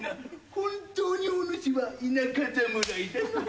本当にお主は田舎侍だのう。